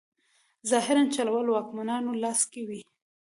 ظاهراً چلول واکمنانو لاس کې وي.